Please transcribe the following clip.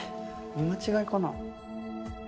見間違いかな。